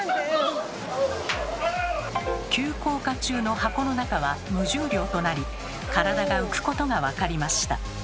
急降下中の箱の中は無重量となり体が浮くことが分かりました。